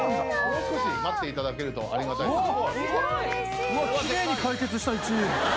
もう少し待っていただけるとありがたいです